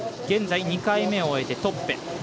現在２回目を終えてトップ。